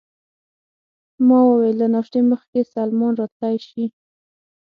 ما وویل: له ناشتې مخکې سلمان راتلای شي؟